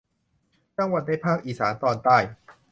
จังหวัดในภาคอีสานตอนใต้